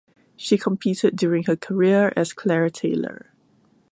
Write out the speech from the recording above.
She competed during her career as Claire Taylor.